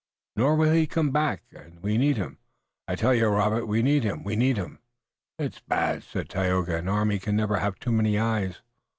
Nor will he come back, and we need him! I tell you, Robert, we need him! We need him!" "It is bad," said Tayoga. "An army can never have too many eyes."